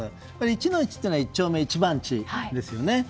一の一というのは一丁目一番地ですよね。